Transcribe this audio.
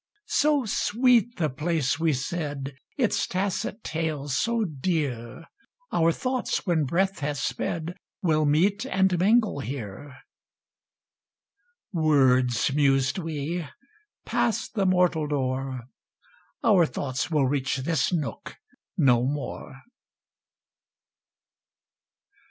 "So sweet the place," we said, "Its tacit tales so dear, Our thoughts, when breath has sped, Will meet and mingle here!" ... "Words!" mused we. "Passed the mortal door, Our thoughts will reach this nook no more."